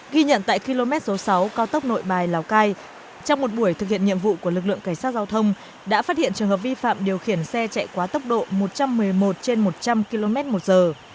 ghi nhận tại km số sáu cao tốc nội bài lào cai trong một buổi thực hiện nhiệm vụ của lực lượng cảnh sát giao thông đã phát hiện trường hợp vi phạm điều khiển xe chạy quá tốc độ một trăm một mươi một trên một trăm linh km một giờ